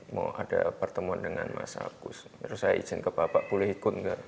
mau ada pertemuan dengan mas agus terus saya izin ke bapak boleh ikut nggak